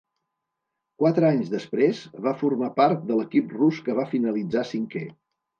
Quatre anys després, va formar part de l'equip rus que va finalitzar cinquè.